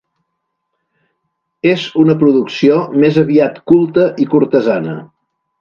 És una producció més aviat culta i cortesana.